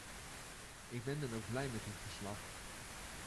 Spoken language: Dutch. Ik ben dan ook blij met dit verslag.